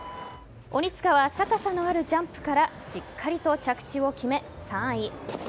鬼塚は、高さのあるジャンプからしっかりと着地を決め３位。